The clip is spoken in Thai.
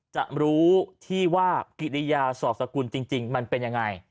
จะรู้ที่ว่ากิริยาสอบสกุลจริงมันเป็นยังไง